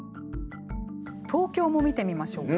東京も見てみましょうか。